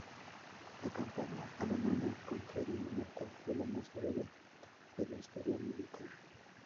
La campaña alemana contra Dinamarca fue la más breve de la historia militar.